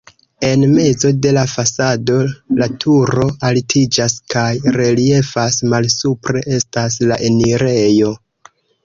En mezo de la fasado la turo altiĝas kaj reliefas, malsupre estas la enirejo.